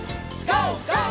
ＧＯ！